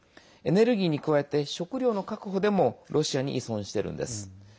エネルギーに加えて食糧の確保でもロシアに依存してるんです。